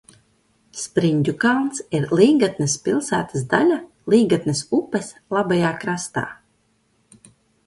Spriņģukalns ir Līgatnes pilsētas daļa Līgatnes upes labajā krastā.